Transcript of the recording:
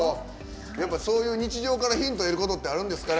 やっぱりそういう日常からヒントを得ることってあるんですか？